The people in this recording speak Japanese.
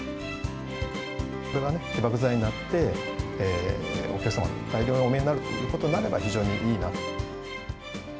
これが起爆剤になって、お客様が大量にお見えになると非常にいいなと。